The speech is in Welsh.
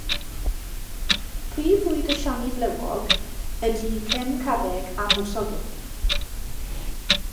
Prif fwyd y siani flewog ydy cen carreg a mwsogl.